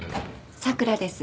佐倉です。